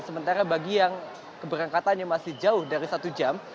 sementara bagi yang keberangkatannya masih jauh dari satu jam